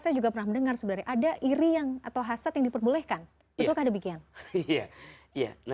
saya juga pernah mendengar sebenarnya ada iri atau hasad yang diperbolehkan